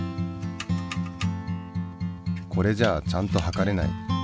これじゃあちゃんとはかれない。